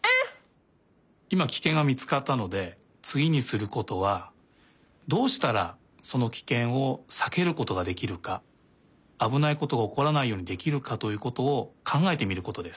いまキケンがみつかったのでつぎにすることはどうしたらそのキケンをさけることができるかあぶないことがおこらないようにできるかということをかんがえてみることです。